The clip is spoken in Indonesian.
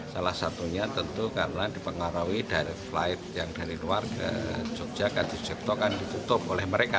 salah satunya tentu karena dipengaruhi dari flight yang dari luar ke yogyakarta yogyakarta kan ditutup oleh mereka